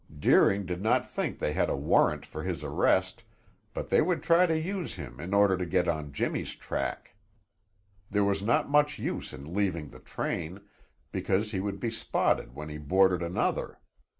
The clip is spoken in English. Deering did not think they had a warrant for his arrest, but they would try to use him in order to get on Jimmy's track. There was not much use in leaving the train, because he would be spotted when he boarded another.